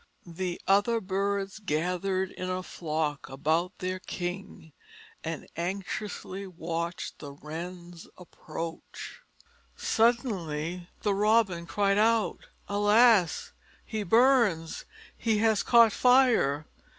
The other birds gathered in a flock about their king and anxiously watched the Wren's approach. Suddenly the Robin cried out, "Alas! He burns! He has caught fire!"